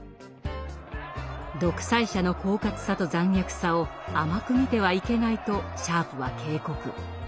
「独裁者の狡猾さと残虐さを甘く見てはいけない」とシャープは警告。